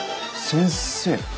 先生？